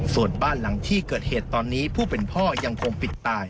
ส่วนบ้านหลังที่เกิดเหตุตอนนี้ผู้เป็นพ่อยังคงปิดตาย